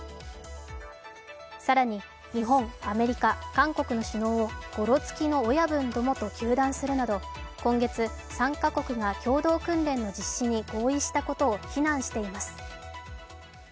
更に日本、アメリカ、韓国の首脳をごろつきの親分どもと糾弾するなど今月、３か国が共同訓練の実施に合意したことを非難しています。